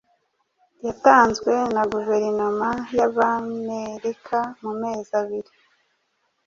yatanzwe na guverinoma yAmerika mu mezi abiri